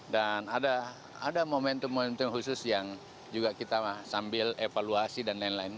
dan ada momentum momentum khusus yang juga kita sambil evaluasi dan lain lain